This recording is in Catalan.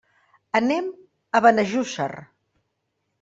Anem a Benejússer.